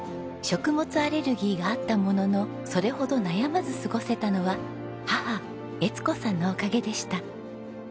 食物アレルギーがあったもののそれほど悩まず過ごせたのは母悦子さんのおかげでした。